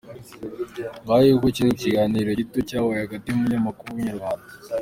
Ngayo nguko iki ni ikiganiro gito cyabaye hagati y’umunyamakuru wa Inyarwanda.